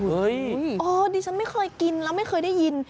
เออดิฉันไม่เคยกินแล้วไม่เคยได้ยิน